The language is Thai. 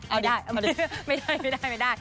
เอาดีไม่ได้ไม่ได้